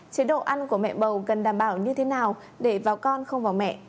chế độ ăn của mẹ bầu cần đảm bảo như thế nào để vào con không vào mẹ